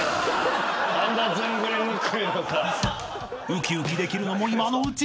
［ウキウキできるのも今のうち］